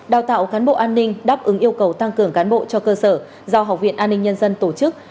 đào tạo cán bộ an ninh đáp ứng yêu cầu tăng cường cán bộ cho cơ sở do học viện an ninh nhân dân tổ chức